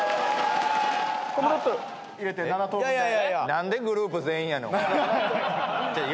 何でグループ全員やねん。